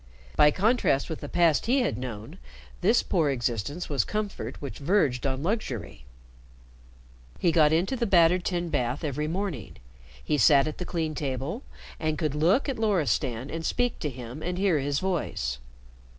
By contrast with the past he had known, this poor existence was comfort which verged on luxury. He got into the battered tin bath every morning, he sat at the clean table, and could look at Loristan and speak to him and hear his voice.